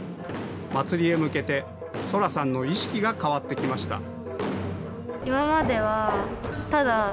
祭りへ向けて、青空さんの意識が変わってきました。